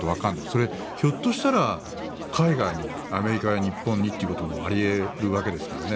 それはひょっとしたら海外にアメリカや日本にということもあり得るわけですからね。